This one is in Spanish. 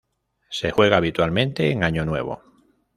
Se juega habitualmente en año nuevo.